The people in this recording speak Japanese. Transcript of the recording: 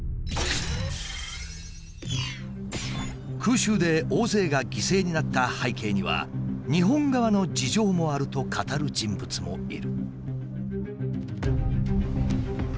空襲で大勢が犠牲になった背景には日本側の事情もあると語る人物もいる。